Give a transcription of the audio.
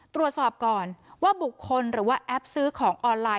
ตรวจสอบก่อนว่าบุคคลหรือว่าแอปซื้อของออนไลน